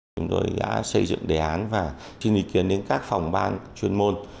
chúng tôi đã xây dựng đề án và xin ý kiến đến các phòng ban chuyên môn